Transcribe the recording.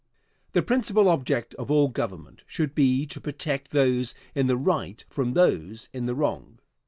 The principal object of all government should be to protect those in the right from those in the wrong.